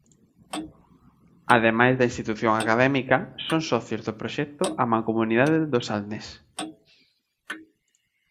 Ademais da institución académica, son socios do proxecto a Mancomunidade do Salnés.